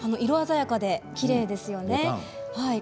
色鮮やかできれいですよね。